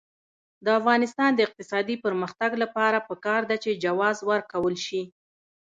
د افغانستان د اقتصادي پرمختګ لپاره پکار ده چې جواز ورکول شي.